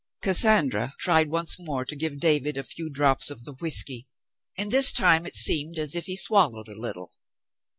Cassandra tried once more to give David a few drops of the whiskey, and this time it seemed as if he swallowed a little.